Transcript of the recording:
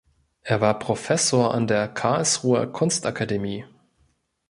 Er war Professor an der Karlsruher Kunstakademie.